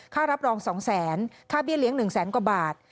ค่ารับรอง๒๐๐บาทค่าเบี้ยเลี้ยง๑๐๐บาท